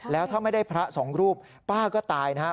แล้วถ้าไม่ได้พระสองรูปป้าก็ตายนะครับ